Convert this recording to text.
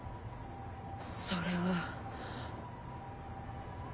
それは。